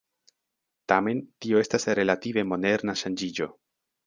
Tamen, tio estas relative moderna ŝanĝiĝo.